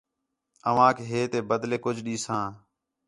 اوانک ہیتے بدلے کُج ݙیساں